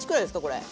これ。